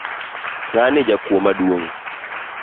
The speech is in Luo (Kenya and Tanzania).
Ngani jakuo maduong.